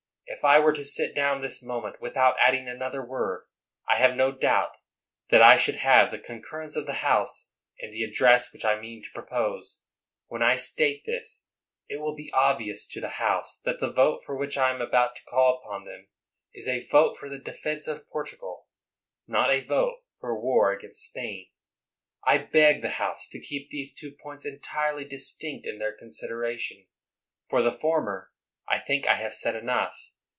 If I were to sit down this moment, without adding another word, I have no doubt but that I should have the concurrence of the House in the address which I mean to propose. When I state this, it will be obvious to the House that the vote for which I am about to call upon them is a vote for the defense of Por 122 CANNING tugal, not a vote for war against Spain. I beg the House tc keep these two points entirely distinct in their consideration. For the former I think I have said enough.